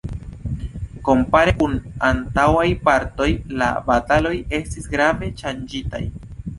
Kompare kun antaŭaj partoj, la bataloj estis grave ŝanĝitaj.